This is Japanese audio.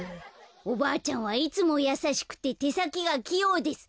「おばあちゃんはいつもやさしくててさきがきようです。